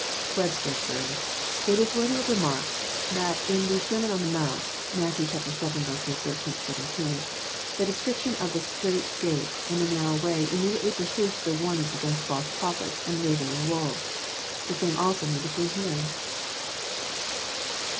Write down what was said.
Webster observes :" It is worthy of remark that in the Ser ^ mon on the Mount, (Matt. vil. 13 — 17,) the description of the / strait gait and narrow way immediately precedes the warning against false prophets and ravening wolves." The same also may be seen here.